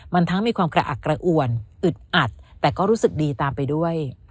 มันทั้งมีความกระอักกระอ่วนอึดอัดแต่ก็รู้สึกดีตามไปด้วย